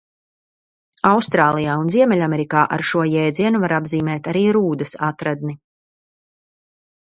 Austrālijā un Ziemeļamerikā ar šo jēdzienu var apzīmēt arī rūdas atradni.